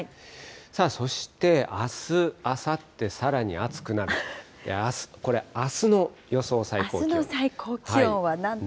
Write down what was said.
さあそしてあす、あさって、さらに暑くなって、これ、あすの予想最高気温です。